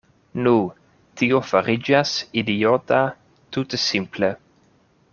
Nu, tio fariĝas idiota tute simple.